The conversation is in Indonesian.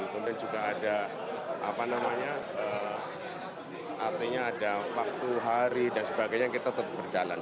kemudian juga ada apa namanya artinya ada waktu hari dan sebagainya kita tetap berjalan